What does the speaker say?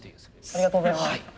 ありがとうございます。